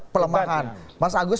kelemahan mas agus